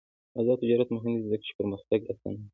آزاد تجارت مهم دی ځکه چې پرمختګ اسانوي.